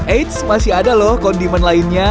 eits masih ada loh kondimen lainnya